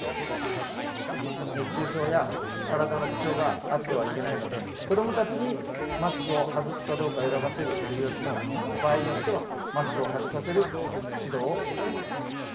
熱中症や体の不調があってはいけないので、子どもたちにマスクを外すかどうか選ばせるというよりも、場合によってはマスクを外させる指導をしています。